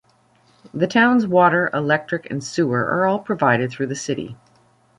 The town's water, electric, and sewer are all provided through the city.